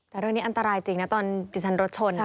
แต่เรื่องนี้อันตรายจริงนะตอนที่ฉันรถชน